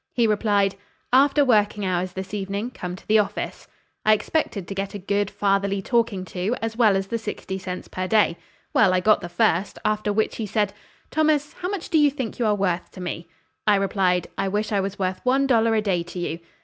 He replied, 'After working hours this evening, come to the office.' I expected to get a good fatherly talking to as well as the sixty cents per day. Well, I got the first, after which he said: 'Thomas, how much do you think you are worth to me?' I replied, 'I wish I was worth one dollar a day to you.'